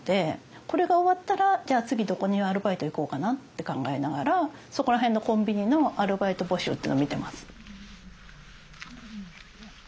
これが終わったらじゃあ次どこにアルバイト行こうかなって考えながらそこら辺のコンビニのアルバイト募集っていうの見てます。